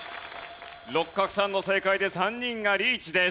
六角さんの正解で３人がリーチです。